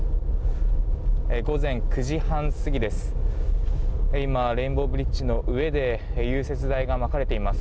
午前９時半過ぎです。